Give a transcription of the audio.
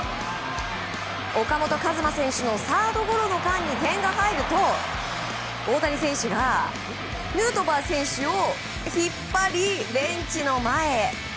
岡本和真選手のサードゴロの間に点が入ると大谷選手がヌートバー選手を引っ張り、ベンチの前へ。